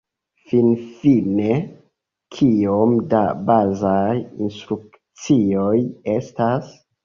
Finfine, kiom da bazaj instrukcioj estas?